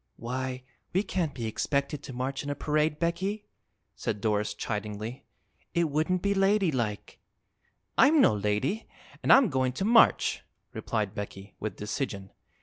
"Why, we can't be expected to march in a parade, Becky," said Doris chidingly. "It wouldn't be ladylike." "I'm no lady, an' I'm goin' to march," replied Becky, with decision.